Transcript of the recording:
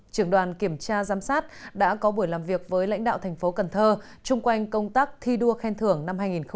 trưởng đoàn kiểm tra giám sát đã có buổi làm việc với lãnh đạo thành phố cần thơ chung quanh công tác thi đua khen thưởng năm hai nghìn một mươi chín